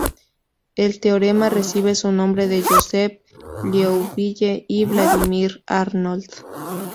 El teorema recibe su nombre de Joseph Liouville y Vladímir Arnold.